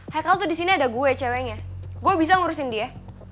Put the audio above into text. haikal tuh disini ada gue ceweknya gue bisa ngurusin dia